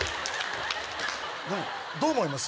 どう思います？